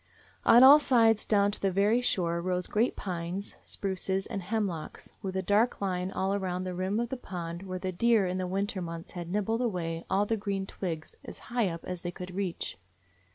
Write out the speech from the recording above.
On all sides down to the very shore rose great pines, spruces, and hemlocks, with a dark line all around the rim of the pond where the deer in the winter months had nibbled away all the green twigs as high up as they could reach.